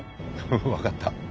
分かった。